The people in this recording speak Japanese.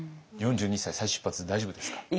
４２歳再出発大丈夫ですか？